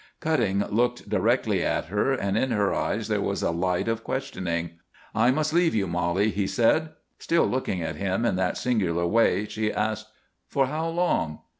Cutting looked directly at her, and in her eyes there was a light of questioning. "I must leave you, Molly," he said. Still looking at him in that singular way, she asked: "For how long?"